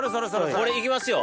これ行きますよ。